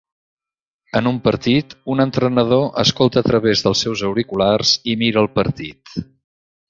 En un partit, un entrenador escolta a través dels seus auriculars i mira el partit.